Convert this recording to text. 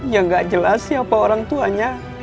ya nggak jelas siapa orang tuanya